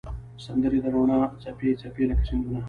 سندرې د روڼا څپې، څپې لکه سیندونه